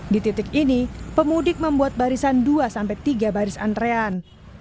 di titik ini pemudik membuat barisan dua sampai tiga baris antrean